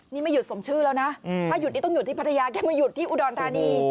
นี่ไม่หยุดสมชื่อแล้วนะถ้าหยุดนี้ต้องอยู่ที่พัทยาแค่มาหยุดที่อุดรธานี